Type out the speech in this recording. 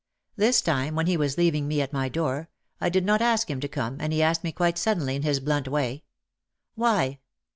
This time, when he was leaving me at my door, I did not ask him to come and he asked me quite suddenly in his blunt way, "Why?"